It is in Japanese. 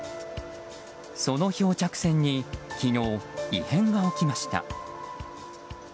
その漂着船に昨日、異変が起きました。